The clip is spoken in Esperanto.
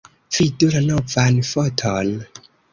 Vidu la novan foton.